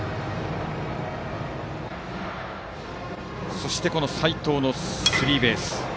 そして齋藤のスリーベース。